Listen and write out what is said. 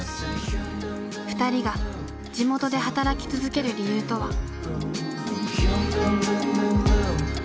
２人が地元で働き続ける理由とは？